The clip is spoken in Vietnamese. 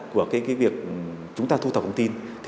của việc chúng ta thu thập thông tin